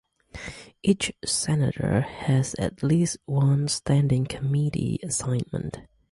Each Senator has at least one standing committee assignment.